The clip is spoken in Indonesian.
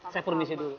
saya pun disini dulu